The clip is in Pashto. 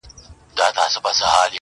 • حیوانان ورته راتلل له نیژدې لیري -